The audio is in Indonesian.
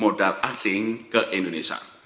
modal asing ke indonesia